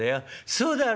『そうだろ？』